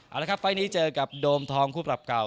เอาละครับไฟล์นี้เจอกับโดมทองคู่ปรับเก่า